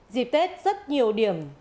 dịp tết rất nhiều điểm